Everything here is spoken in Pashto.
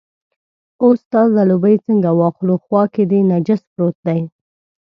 اوس ستا ځلوبۍ څنګه واخلو، خوا کې دې نجس پروت دی.